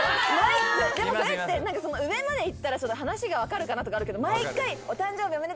でもそれって上までいったら話が分かるかなとかあるけど毎回。